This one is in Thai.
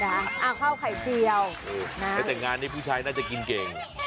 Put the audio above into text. ข้าวไข่เจียวแต่งานนี้ผู้ชายน่าจะกินเก่ง